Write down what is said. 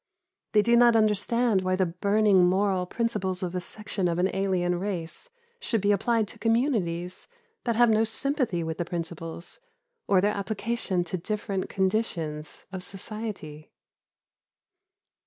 They do not understand why the burning moral principles of a section of an alien race should be applied to communities that have no sympathy with the principles, or their application to different conditions of society."